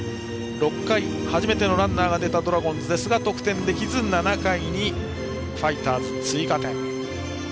６回、初めてのランナーが出たドラゴンズですが得点できず７回にファイターズ追加点。